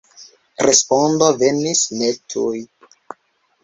Respondo venis ne tuj.